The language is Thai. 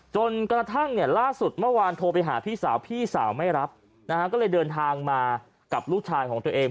จนกระทั่งเนี่ยล่าสุดเมื่อวานโทรไปหาพี่สาวพี่สาวไม่รับนะฮะก็เลยเดินทางมากับลูกชายของตัวเอง